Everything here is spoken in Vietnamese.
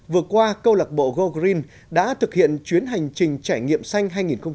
vừa qua câu lạc bộ go green đã thực hiện chuyến hành trình trải nghiệm xanh hai nghìn một mươi tám